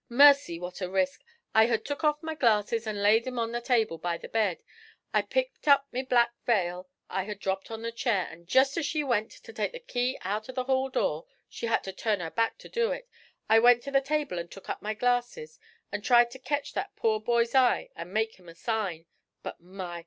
"Mercy, what a risk!" I had took off my glasses and laid 'em down on the table by the bed. I picked up the black veil I had dropped on the chair, and jest as she went to take the key out of the hall door she had to turn her back to do it I went to the table and took up my glasses, and tried to ketch that poor boy's eye and make him a sign; but, my!